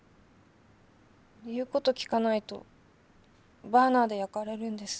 言う事聞かないとバーナーで焼かれるんです。